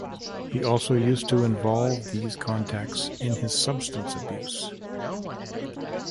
He also used to involve these contacts in his substance abuse.